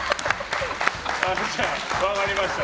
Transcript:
分かりました。